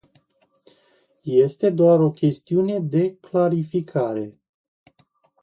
Este doar o chestiune de clarificare.